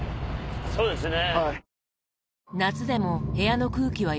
そうですね。